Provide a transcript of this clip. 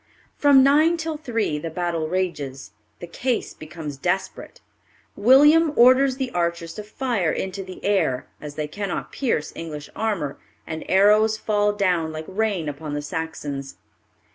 From nine till three the battle rages. The case becomes desperate. William orders the archers to fire into the air, as they cannot pierce English armor, and arrows fall down like rain upon the Saxons.